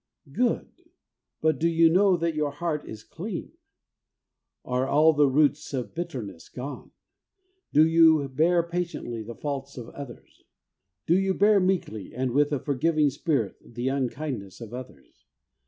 Good, but do you know that your heart is i8 THE WAY OF HOLINESS clean ? Are all the roots of bitterness gone ? Do you bear patiently the faults of others ? Do you bear meekly, and with a forgiving spirit, the unkindness of others